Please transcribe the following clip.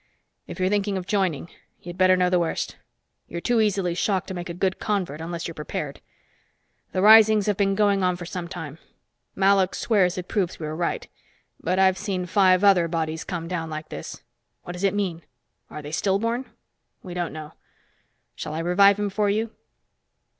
"If you're thinking of joining, you'd better know the worst. You're too easily shocked to make a good convert unless you're prepared. The risings have been going on for some time. Malok swears it proves we are right. But I've seen five other bodies come down like this. What does it mean? Are they stillborn? We don't know. Shall I revive him for you?"